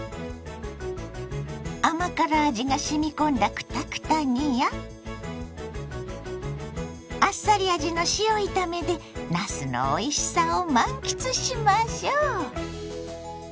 甘辛味がしみ込んだクタクタ煮やあっさり味の塩炒めでなすのおいしさを満喫しましょ。